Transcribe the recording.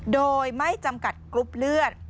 โดยไม่จำกัดกรุ๊ปเลือด